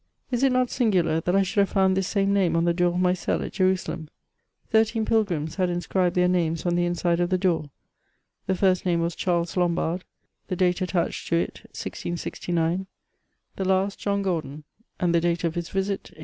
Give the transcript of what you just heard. Is it not sin gtdar that I should have found this same name on the door of my cell at Jerusalem ?'< Thirteen pilgrims had inscribed their names on the inside of the door ; the first name was Charles Lombard, the date attached to it 1669 ; the last John Gordon^ and the date of his visit 1804."